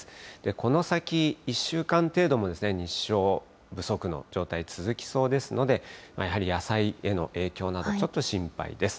この先１週間程度も、日照不足の状態、続きそうですので、やはり野菜への影響など、ちょっと心配です。